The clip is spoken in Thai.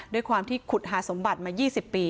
ด้วยความที่ขุดหาสมบัติมา๒๐ปี